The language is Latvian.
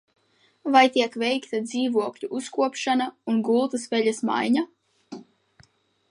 Vai tiek veikta dzīvokļu uzkopšana un gultas veļas maiņa?